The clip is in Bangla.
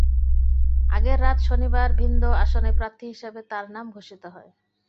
আগের রাত শনিবারে ভিন্দ আসনের প্রার্থী হিসেবে তাঁর নাম ঘোষিত হয়।